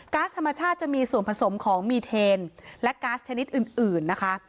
๊าซธรรมชาติจะมีส่วนผสมของมีเทนและก๊าซชนิดอื่นนะคะ